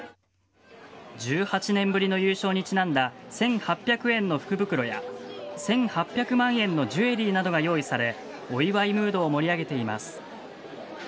１８年ぶりの優勝にちなんだ１８００円の福袋や１８００万円のジュエリーなどが用意されお祝いムードを盛り上げています。